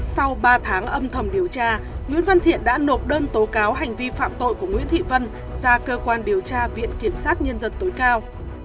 sau ba tháng âm thầm điều tra nguyễn văn thiện đã nộp đơn tố cáo hành vi phạm tội của nguyễn thị vân ra cơ quan điều tra viện kiểm sát nhân dân tối cao